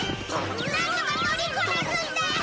なんとか乗りこなすんだ！